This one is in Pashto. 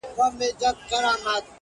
ځم د روح په هر رگ کي خندا کومه ـ